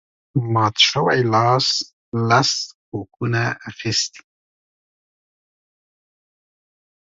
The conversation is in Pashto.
مات شوي لاس لس کوکونه اخیستي